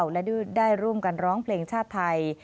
และได้ร่วมกันร้องเพลงชาติไทย